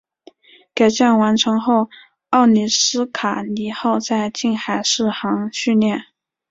改建完成后奥里斯卡尼号在近海试航训练。